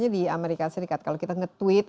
di amerika serikat kalau kita nge tweet